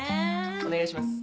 お願いします！